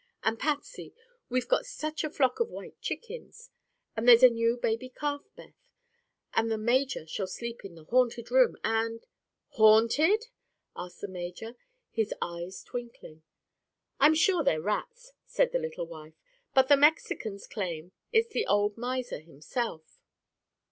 And, Patsy, we've got such a flock of white chickens! And there's a new baby calf, Beth! And the major shall sleep in the Haunted Room, and—" "Haunted?" asked the major, his eyes twinkling. "I'm sure they're rats," said the little wife, "but the Mexicans claim it's the old miser himself.